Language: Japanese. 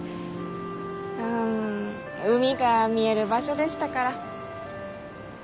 うん海が見える場所でしたから。